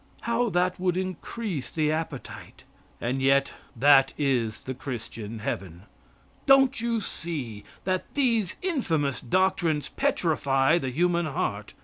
How that would increase the appetite! And yet that is the Christian heaven. Don't you see that these infamous doctrines petrify the human heart?